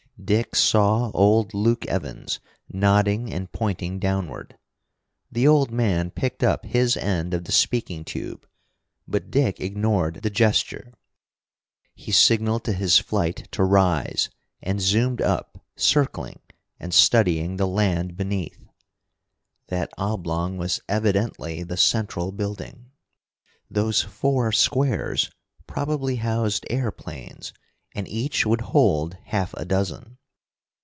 Dick saw old Luke Evans nodding and pointing downward. The old man picked up his end of the speaking tube, but Dick ignored the gesture. He signaled to his flight to rise, and zoomed up, circling, and studying the land beneath. That oblong was evidently the central building. Those four squares probably housed airplanes, and each would hold half a dozen.